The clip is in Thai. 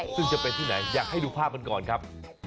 ซึ่งจะเป็นที่ไหนอยากให้ดูภาพมันก่อนครับ